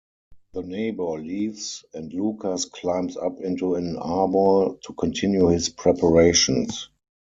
The neighbor leaves, and Lukas climbs up into an arbor to continue his preparations.